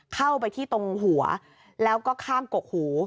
เข้าไปที่ตรงหัวแล้วก็ข้างกกหู